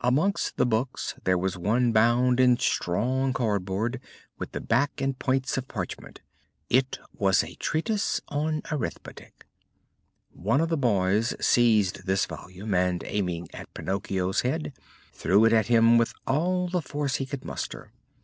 Amongst the books there was one bound in strong cardboard with the back and points of parchment. It was a Treatise on Arithmetic. One of the boys seized this volume and, aiming at Pinocchio's head, threw it at him with all the force he could muster.